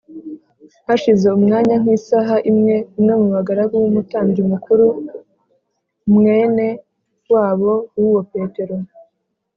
hashize umwanya nk’isaha imwe, umwe mu bagaragu b’umutambyi mukuru, mwene wabo w’uwo petero